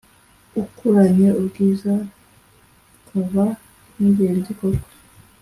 Ukuranye ubwiza kaba n’ingenzi koko